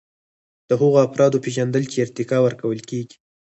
د هغو افرادو پیژندل چې ارتقا ورکول کیږي.